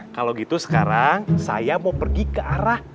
kalau gitu sekarang saya mau pergi ke arah